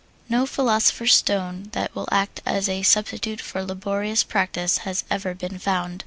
No philosopher's stone that will act as a substitute for laborious practise has ever been found.